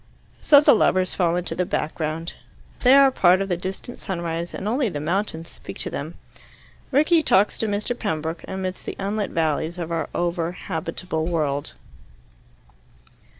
So the lovers fall into the background. They are part of the distant sunrise, and only the mountains speak to them. Rickie talks to Mr. Pembroke, amidst the unlit valleys of our over habitable world.